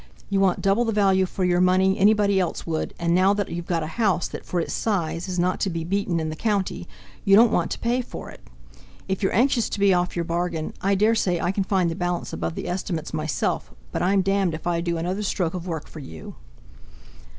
You want double the value for your money anybody else would, and now that you've got a house that for its size is not to be beaten in the county, you don't want to pay for it. If you're anxious to be off your bargain, I daresay I can find the balance above the estimates myself, but I'm d——d if I do another stroke of work for you!"